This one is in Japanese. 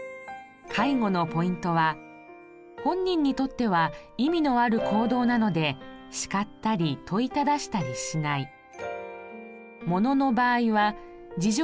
介護のポイントは本人にとっては意味のある行動なので叱ったり問いただしたりしない。